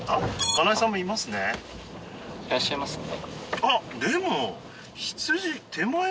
いらっしゃいますね